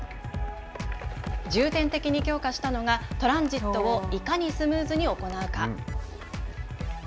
重点的に強化したのがトランジットをいかにスムーズに行うか。